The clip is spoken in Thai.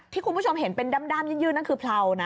คุณผู้ชมเห็นเป็นด้ามยื่นนั่นคือเผลานะ